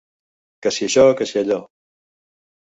Que si això que si allò.